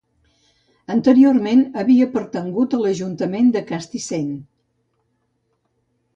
Anteriorment, havia pertangut a l'ajuntament de Castissent.